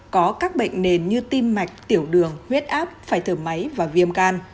có các bệnh nền như tim mạch tiểu đường huyết áp phải thử máy và viêm can